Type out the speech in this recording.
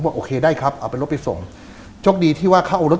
โอเคได้ครับเอาไปรถไปส่งโชคดีที่ว่าเขาเอารถ